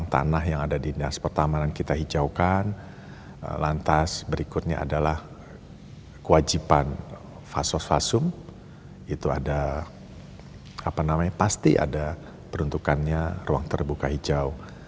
kemudian ada kelanjipan fasos fasum itu ada apa namanya pasti ada peruntukannya ruang terbuka hijau